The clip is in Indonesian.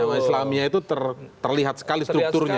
jaman islamnya itu terlihat sekali strukturnya ya